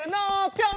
ピョン！